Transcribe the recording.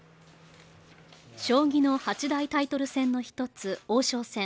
将棋の８大タイトル戦の１つ王将戦。